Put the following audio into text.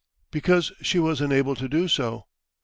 Because she was unable to do so.